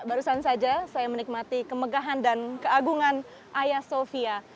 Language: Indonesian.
barusan saja saya menikmati kemegahan dan keagungan ayah sofia